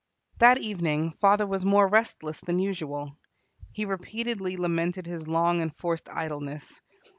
That evening father was more restless than usual. He repeatedly lamented his long enforced idleness.